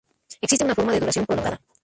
Existe una forma de duración prolongada.